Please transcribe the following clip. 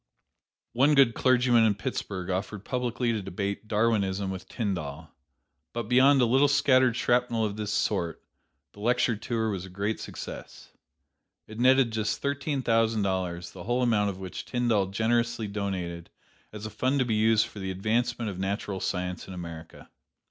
One good clergyman in Pittsburgh offered publicly to debate "Darwinism" with Tyndall, but beyond a little scattered shrapnel of this sort, the lecture tour was a great success. It netted just thirteen thousand dollars, the whole amount of which Tyndall generously donated as a fund to be used for the advancement of natural science in America.